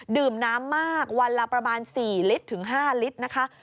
ดื่มน้ำมากวันละประมาณ๔๕ลิตรนะคะ